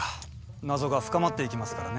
謎が深まっていきますからね。